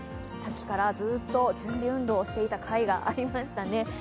さっきからずっと準備運動をしていた甲斐がありましたね。